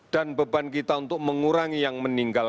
dan beban kita untuk mengurangi yang meninggal